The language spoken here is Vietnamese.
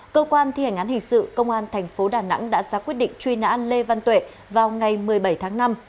cơ quan thi hành án hình sự công an tp đà nẵng đã xác quyết định truy nã lê văn tuệ vào ngày một mươi bảy tháng năm